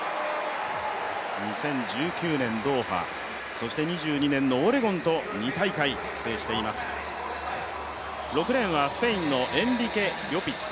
２０１９年ドーハ２２年のオレゴンと２大会制しています、６レーンはスペインのエンリケ・リョピス。